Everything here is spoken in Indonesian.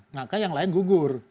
maka yang lain gugur